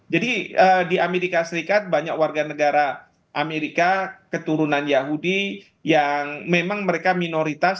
jadi di amerika serikat banyak warga negara amerika keturunan yahudi yang memang mereka minoritas